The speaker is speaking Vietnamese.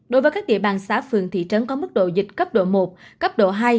đối với các địa bàn xã phường thị trấn có mức độ dịch cấp độ một cấp độ hai